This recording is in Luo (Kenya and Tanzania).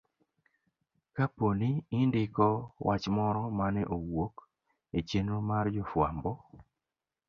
Kapo ni indiko wach moro mane owuok e chenro mar jofwambo,